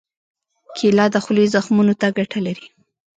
کېله د خولې زخمونو ته ګټه لري.